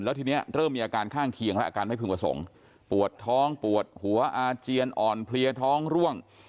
แล้วทีนี้เริ่มมีอาการข้างเคียงแล้วอาการไม่พึงประสงค์ปวดท้องปวดหัวอาเจียนอ่อนเพลียท้องร่วง